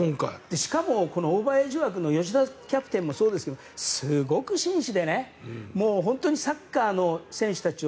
しかもこのオーバーエイジ枠の吉田キャプテンもそうですけどすごく紳士で本当にサッカーの選手たちを